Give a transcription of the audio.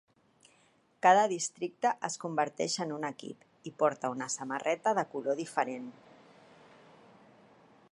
Cada districte es converteix en un equip i porta una samarreta de color diferent.